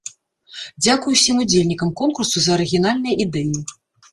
Дзякуй усім удзельнікам конкурсу за арыгінальныя ідэі!